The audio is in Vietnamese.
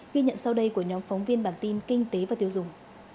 ghi nhận sau đây của nhóm phóng viên bản tin kinh tế và tiêu dùng